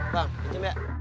bang cem ya